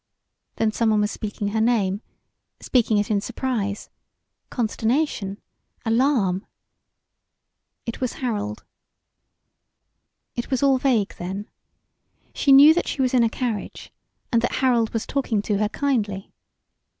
Then someone was speaking her name; speaking it in surprise consternation alarm. It was Harold. It was all vague then. She knew that she was in a carriage, and that Harold was talking to her kindly.